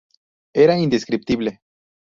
Era indescriptible.